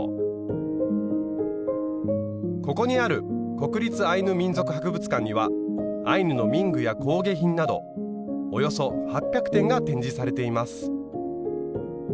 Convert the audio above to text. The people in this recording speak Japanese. ここにある国立アイヌ民族博物館にはアイヌの民具や工芸品などおよそ８００点が展示されています。